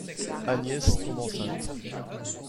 Agnese tombe enceinte.